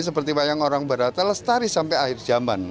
seperti wayang orang barata lestari sampai akhir jaman